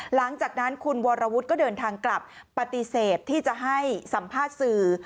หลังจากนั้นคุณวรวุฒิก็เดินทางกลับปฏิเสธที่จะให้สัมภาษณ์สื่อ